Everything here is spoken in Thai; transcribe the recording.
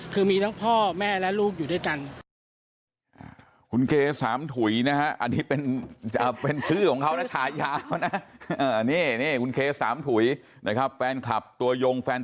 คือมีทั้งพ่อแม่และลูกอยู่ด้วยกัน